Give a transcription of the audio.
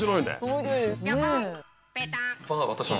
面白いですね。